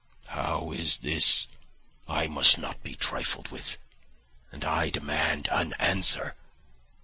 "How is this? I must not be trifled with, and I demand an answer.